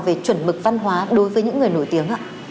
về chuẩn mực văn hóa đối với những người nổi tiếng ạ